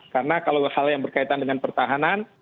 karena kalau hal yang berkaitan dengan pertahanan